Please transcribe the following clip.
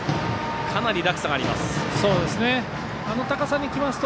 かなり落差がありました。